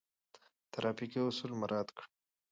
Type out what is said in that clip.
ترافیکي اصول مراعات کړئ.